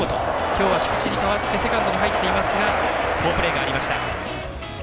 きょうは菊池に代わってセカンドに入っていますが好プレーがありました。